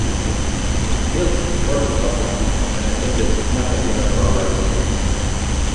Hilt was born in Auckland, and attended Takapuna Grammar School.